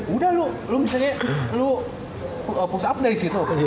udah lo misalnya lo push up deh disitu